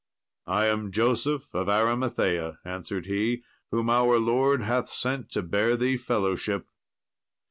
"I am Joseph of Arimathea," answered he, "whom our Lord hath sent to bear thee fellowship."